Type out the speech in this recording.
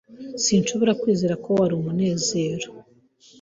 Sinshobora kwizera ko wari umunezero.